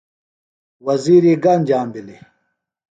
وزیری گہ انجام بِھلیۡ؟